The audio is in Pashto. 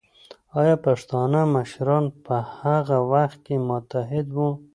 ایا پښتانه مشران په هغه وخت کې متحد وو؟